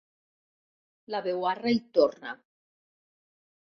La veuarra hi torna.